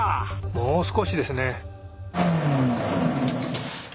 もう少しですね。